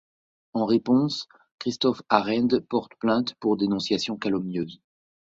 En réponse, Christophe Arend porte plainte pour dénonciation calomnieuse.